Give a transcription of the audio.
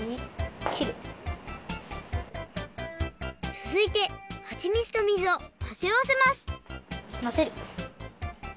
つづいてはちみつと水をまぜあわせますまぜる。